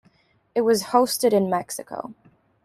It was hosted in Mexico.